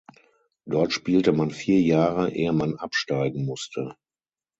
Dort spielte man vier Jahre, ehe man absteigen musste.